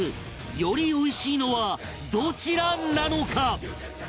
よりおいしいのはどちらなのか？